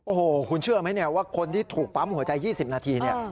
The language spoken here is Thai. โอ้โหคุณเชื่อไหมว่าคนที่ถูกปั๊มหัวใจ๒๐นาที